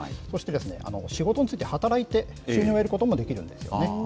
そして、仕事に就いて、働いて収入を得ることもできるんですね。